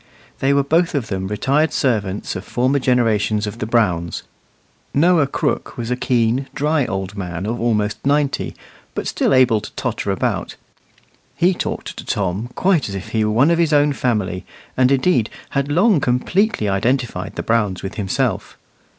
They were both of them retired servants of former generations of the Browns. Noah Crooke was a keen, dry old man of almost ninety, but still able to totter about. He talked to Tom quite as if he were one of his own family, and indeed had long completely identified the Browns with himself.